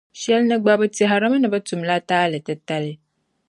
Shɛlini gba bɛ tɛhirimi ni bɛ tumla taali titali.